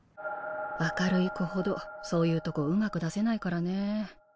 明るい子ほどそういうとこうまく出せないからね。